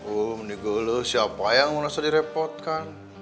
om niko lu siapa yang merasa direpotkan